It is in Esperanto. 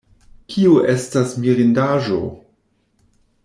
Kio estis mirindaĵo?